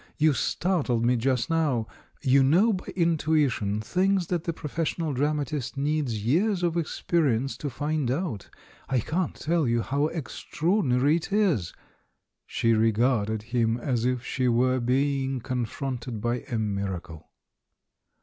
You startled me just now — you know by intuition things that the professional dramatist needs years of experi ence to find out. I can't tell you how extraordin THE BISHOP'S COMEDY 347 ary it is!" She regarded him as if she were be ing confronted by a miracle.